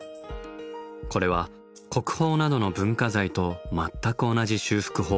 これは国宝などの文化財と全く同じ修復方法。